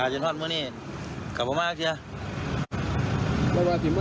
ชุดหอดพ่อเหรอครับ